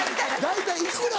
「大体幾ら？」